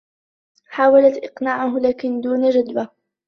حاولت إقناعه لكن دون جدوى.